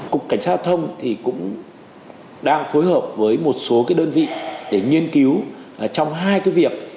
cục cảnh sát giao thông thì cũng đang phối hợp với một số đơn vị để nghiên cứu trong hai cái việc